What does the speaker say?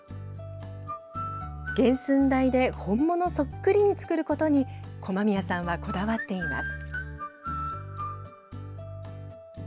原寸大で本物そっくりに作ることに駒宮さんはこだわっています。